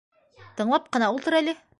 - Тыңлап ҡына ултыр әле?!